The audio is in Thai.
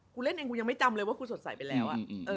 เล่นเองกูยังไม่จำเลยว่ากูสดใสไปแล้ว